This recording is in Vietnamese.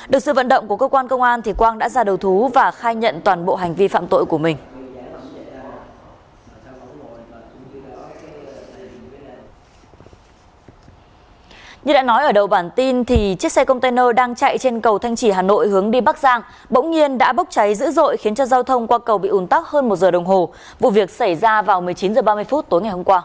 là đều có sự giám sát của các công an của làng sơn